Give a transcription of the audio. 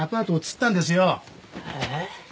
えっ？